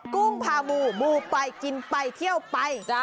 กุ้งพามูมูไปกินไปเที่ยวไป